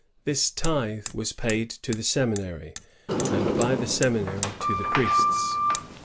This tithe was paid to the seminary, and by the seminary to the priests.